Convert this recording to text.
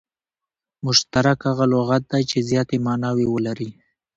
مشترک هغه لغت دئ، چي زیاتي ماناوي ولري.